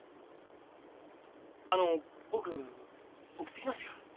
あの僕送ってきますよ。